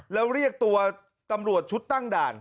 แล้วเรียกตัวตำรวจชุดตั้งด่าน